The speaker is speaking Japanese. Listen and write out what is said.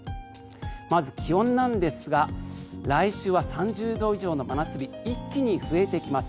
まず、気温なんですが来週は３０度以上の真夏日が一気に増えてきます。